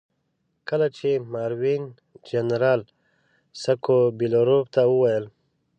کله چې ماروین جنرال سکوبیلروف ته وویل.